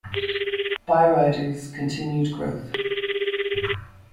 Byrider's continued growth.